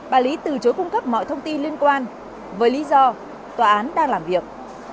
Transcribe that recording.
bà lý từ chối cung cấp mọi thông tin liên quan với lý do tòa án đang làm việc